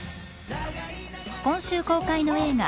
今週公開の映画